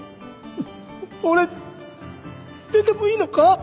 俺出てもいいのか？